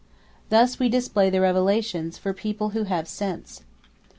Thus We display the revelations for people who have sense.